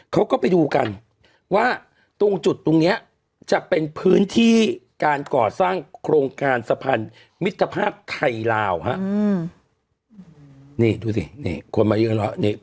เขาก็ไปดูกันว่าตรงจุดตรงเนี้ยจะเป็นพื้นที่การก่อสร้างโครงการสะพันธ์มิทธภาพไทยลาวบิ